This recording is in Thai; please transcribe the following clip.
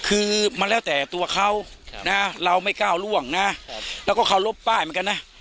คือมันแล้วแต่ตัวเขานะเราไม่ก้าวล่วงนะแล้วก็เคารพป้ายเหมือนกันนะ